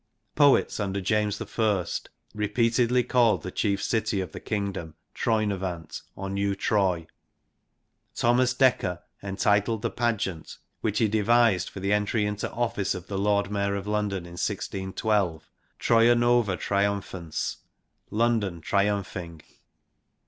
Poets under James I re peatedly called the chief city of the kingdom, * Troynovant ' or * New Troy.' Thomas Dekker entitled the pageant, which he devised for the entry into office of the Lord Mayor of London in 1612, l Troia Noua Triumphant, London Triumphing.'